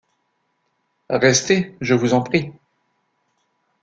Restez, je vous en prie.